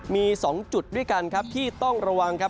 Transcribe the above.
มี๒จุดด้วยกันครับที่ต้องระวังครับ